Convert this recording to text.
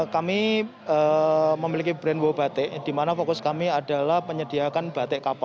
kami memiliki brand buah batik di mana fokus kami adalah penyediakan batik kapal